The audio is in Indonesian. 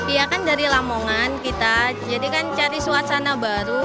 iya kan dari lamongan kita jadi kan cari suasana baru